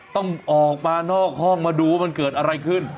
ต้องออกมานอกห้องมาดูว่ามันเกิดอะไรขึ้น